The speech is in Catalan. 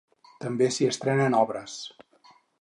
També s'hi estrenen obres.